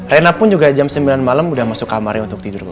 rena pun juga jam sembilan malam udah masuk kamarnya untuk tidur